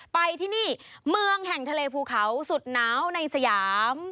ไปที่นี่เมืองแห่งทะเลภูเขาสุดหนาวในสยาม